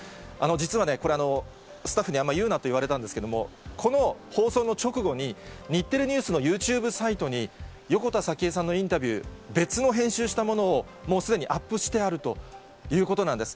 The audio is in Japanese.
実はね、これ、スタッフにあんまり言うなと言われたんですけど、この放送の直後に、日テレニュースのユーチューブサイトに横田早紀江さんのインタビュー、別の編集したものを、もうすでにアップしてあるということなんです。